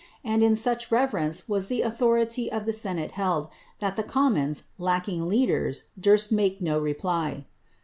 And in such reverence was the authority of the senate held, that the commons, lacking leaders, durst make no reply.